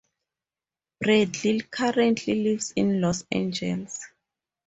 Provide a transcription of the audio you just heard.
Bradley currently lives in Los Angeles.